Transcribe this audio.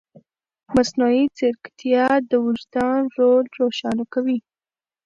مصنوعي ځیرکتیا د وجدان رول روښانه کوي.